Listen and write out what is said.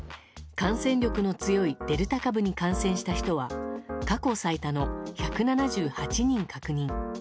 感染力の強いデルタ株に感染した人は過去最多の１７８人確認。